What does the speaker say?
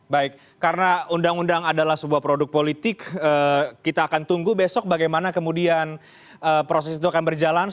baik karena undang undang adalah sebuah produk politik kita akan tunggu besok bagaimana kemudian proses itu akan berjalan